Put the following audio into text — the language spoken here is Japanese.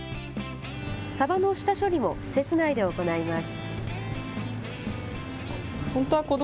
サバの下処理も施設内で行います。